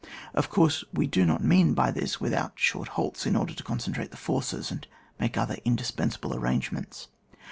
Of course we do not mean by this with out short halts, in order to concentrate the forces, and make other indispensable arrangements.